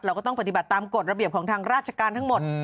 ก็ต้องปฏิบัติตามกฎระเบียบของทางราชการทั้งหมด